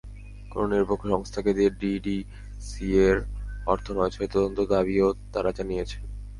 কোনো নিরপেক্ষ সংস্থাকে দিয়ে ডিডিসিএর অর্থ নয়ছয়ের তদন্তের দাবিও তাঁরা জানিয়েছেন।